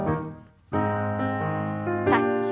タッチ。